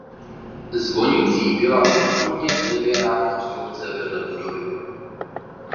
Zvonicí byla původně dřevěná konstrukce vedle budovy.